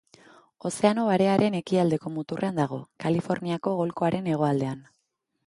Ozeano Barearen ekialdeko muturrean dago, Kaliforniako golkoaren hegoaldean.